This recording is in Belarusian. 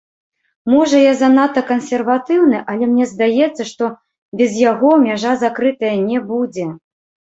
Можа, я занадта кансерватыўны, але мне здаецца, што без яго мяжа закрытая не будзе.